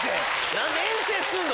何で遠征すんの？